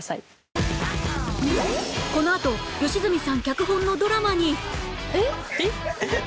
このあと吉住さん脚本のドラマに